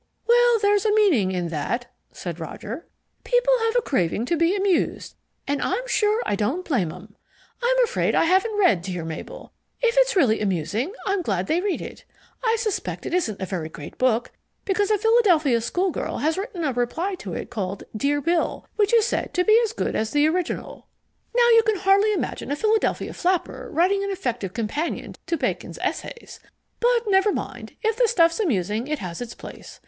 "Well, there's a meaning in that," said Roger. "People have a craving to be amused, and I'm sure I don't blame 'em. I'm afraid I haven't read Dere Mable. If it's really amusing, I'm glad they read it. I suspect it isn't a very great book, because a Philadelphia schoolgirl has written a reply to it called Dere Bill, which is said to be as good as the original. Now you can hardly imagine a Philadelphia flapper writing an effective companion to Bacon's Essays. But never mind, if the stuff's amusing, it has its place.